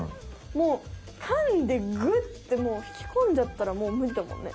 もうかんでグッて引き込んじゃったらもうむりだもんね。